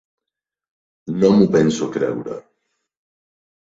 No m'ho penso creure.